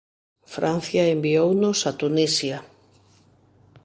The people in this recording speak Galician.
Francia enviounos a Tunisia.